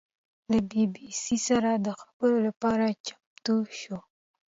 له بي بي سي سره د خبرو لپاره چمتو شوه.